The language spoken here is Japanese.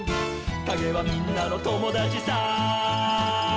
「かげはみんなのともだちさ」